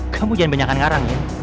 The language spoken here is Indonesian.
kamu jangan banyakan ngarang ya